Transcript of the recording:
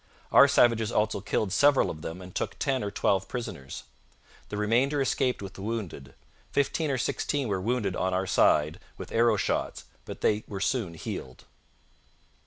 Our savages also killed several of them and took ten or twelve prisoners. The remainder escaped with the wounded. Fifteen or sixteen were wounded on our side with arrow shots, but they were soon healed.